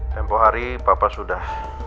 tempoh hari papa sudah